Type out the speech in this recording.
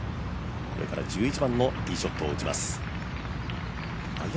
これから１１番のティーショットを打ちます。